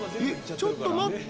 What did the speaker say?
ちょっと待った！